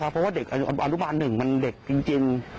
เพราะว่าเด็กอรุบาลหนึ่งมันเด็กจริง